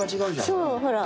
そうほら。